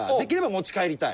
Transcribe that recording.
持ち帰りたい？